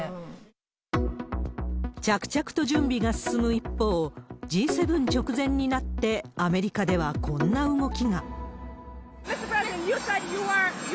着々と準備が進む一方、Ｇ７直前になって、アメリカではこんな動きが。